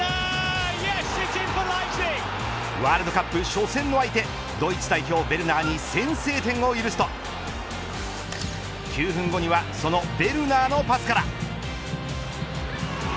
ワールドカップ初戦の相手ドイツ代表ヴェルナーに先制点を許すと９分後にはそのヴェルナーのパスから。